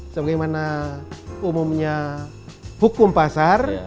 sebagaimana umumnya hukum pasar